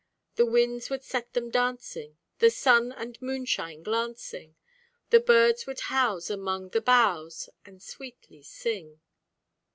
The winds would set them dancing, The sun and moonshine glancing, The Birds would house among the boughs, And sweetly sing!